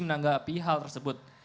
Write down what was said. menanggapi hal tersebut